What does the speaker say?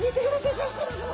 シャーク香音さま！